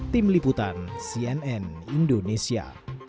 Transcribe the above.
tim liputan cnn indonesia